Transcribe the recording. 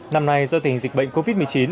năm nay do tình dịch bệnh covid một mươi chín